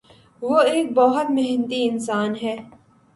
وہ ایک بہت محنتی انسان ہے۔